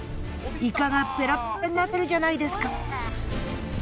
イカがペラッペラになってるじゃないですか。